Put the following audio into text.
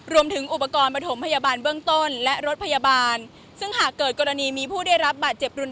รวมถึงอุปกรณ์ประถมพยาบาลเบื้องต้นและรถพยาบาลซึ่งหากเกิดกรณีมีผู้ได้รับบาดเจ็บรุน